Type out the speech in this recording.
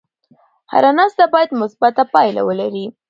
هره ناسته باید مثبته پایله ولري.